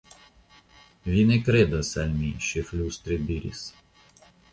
Vi ne kredas al mi, ŝi flustre diris.